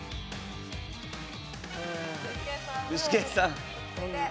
具志堅さん。